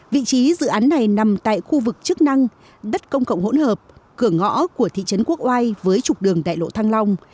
vị trí dự án này nằm tại khu vực chức năng đất công cộng hỗn hợp cửa ngõ của thị trấn quốc oai với trục đường đại lộ thăng long